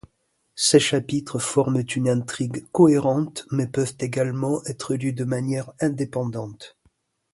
Ces chapitres forment une intrigue cohérente mais peuvent également être lus de manière indépendante.